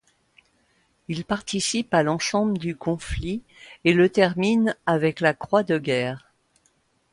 Il participe à l'ensemble du conflit et le termine avec la Croix de guerre.